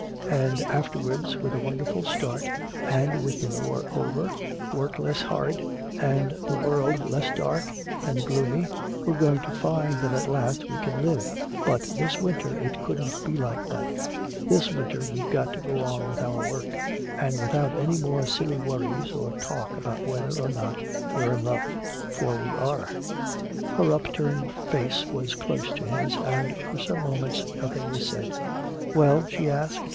And afterwards, with a wonderful start and with the war over, work less hard and the world less dark and gloomy we're going to find that at last we can live! But this winter it couldn't be like that. This winter we've got to go on with our work and without any more silly worries or talk about whether or not we're in love. For we are!" Her upturned face was close to his, and for some moments nothing was said, "Well?" she asked.